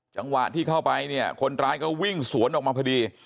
จังหวะที่เข้าไปเนี่ยคนร้ายก็วิ่งสวนออกมาพอดี